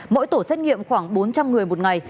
mỗi tổ xét nghiệm khoảng bốn trăm linh người một ngày